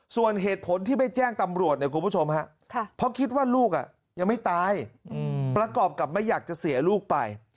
ส่วนเหตุผลที่ไปแจ้งตำรวจเพราะคิดว่าลูกยังไม่ตายประกอบกับไม่อยากจะเสียลูกไป